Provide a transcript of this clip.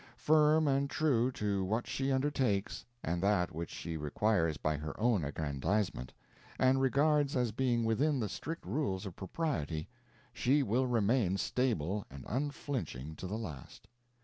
Firm and true to what she undertakes, and that which she requires by her own aggrandizement, and regards as being within the strict rules of propriety, she will remain stable and unflinching to the last.